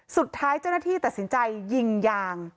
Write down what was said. สุดท้ายเจ้าหน้าที่ตัดสินใจยิงยาง